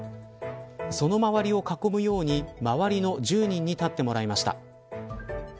その周りを囲むように周りの１０人に立ってもらいました。